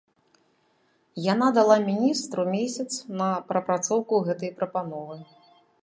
Яна дала міністру месяц на прапрацоўку гэтай прапановы.